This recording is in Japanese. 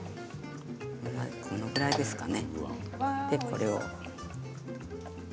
このくらいですかね。